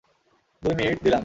দুই মিনিট দিলাম।